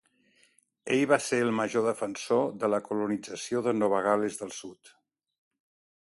Ell va ser el major defensor de la colonització de Nova Gal·les del Sud.